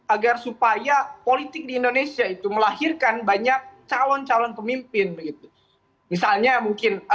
agar supaya politik di indonesia itu melahirkan banyak calon calon pemimpin begitu misalnya mungkin